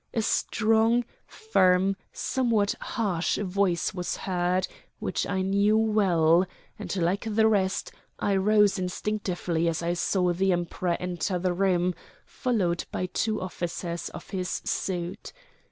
A strong, firm, somewhat harsh voice was heard, which I knew well; and, like the rest, I rose instinctively as I saw the Emperor enter the room, followed by two officers of his suite.